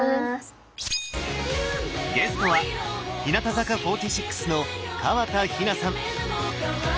ゲストは日向坂４６の河田陽菜さん！